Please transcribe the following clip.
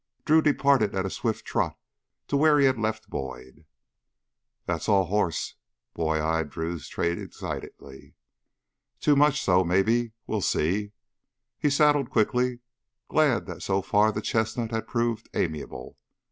Drew departed at a swift trot to where he had left Boyd. "That's all horse!" Boyd eyed Drew's trade excitedly. "Too much so, maybe. We'll see." He saddled quickly, glad that so far the chestnut had proved amiable.